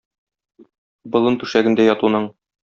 Болын түшәгендә ятуның!